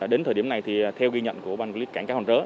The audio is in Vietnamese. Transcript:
đến thời điểm này thì theo ghi nhận của ban quyết cảnh cái hòn rớ